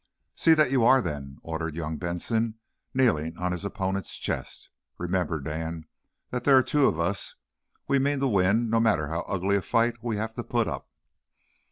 "See that you are, then," ordered young Benson, kneeling on his opponent's chest. "Remember, Dan, that there are two of us. We mean to win, no matter how ugly a fight we have to put up."